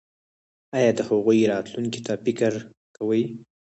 ایا د هغوی راتلونکي ته فکر کوئ؟